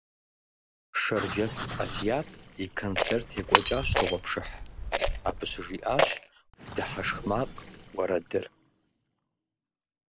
Шэрджэс Асият и концерт екӏуэкӏащ дыгъуэпшыхь, абы щыжиӏащ «Уи дыхьэшх макъ» уэрэдыр.